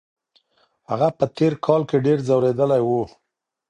هغه په تېر کال کي ډېر ځورېدلی و.